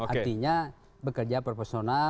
artinya bekerja profesional